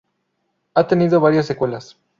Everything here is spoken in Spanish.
Ha tenido varias secuelas.